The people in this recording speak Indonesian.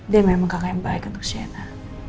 dia memang kakak yang baik untuk sina